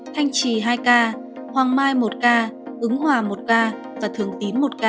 thanh trì hai ca hoàng mai một ca ứng hòa một ca và thường tín một ca